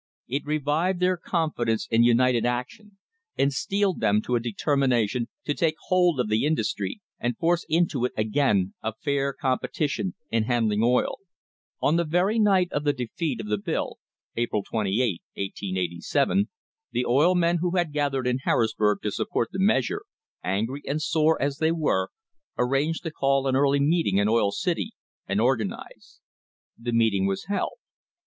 It revived their confidence in united action and steeled them to a determination to take hold of the industry and force into it again a fair competition in handling oil. On the very night after the defeat of the bill (April 28, 1887) the oil men who had gathered in Harrisburg to support the measure, angry and sore as they were, arranged to call an A MODERN WAR FOR INDEPENDENCE early meeting in Oil City and organise. The meeting was held.